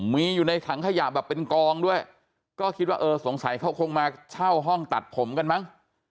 มีอยู่ในถังขยะแบบเป็นกองด้วยก็คิดว่าเออสงสัยเขาคงมาเช่าห้องตัดผมกันมั้ง